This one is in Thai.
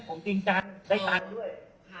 ผมจริงจังได้ตามด้วย